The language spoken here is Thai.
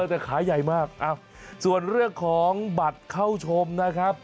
แต่ขาใหญ่มากส่วนเรื่องของบัตรเข้าชมนะครับ